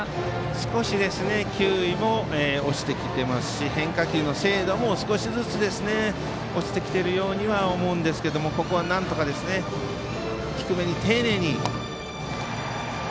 少し球威も落ちてきていますし変化球の精度も少しずつ落ちてきているようには思いますがここはなんとか、低めに丁寧に。